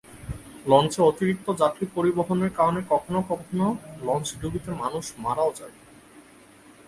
লঞ্চে অতিরিক্ত যাত্রী পরিবহনের কারণে কখনো কখনো লঞ্চডুবিতে মানুষ মারাও যায়।